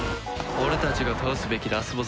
俺たちが倒すべきラスボスだ。